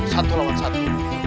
satu lawan satu